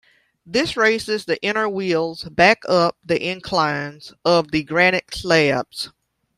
This raises the inner wheels back up the inclines of the granite slabs.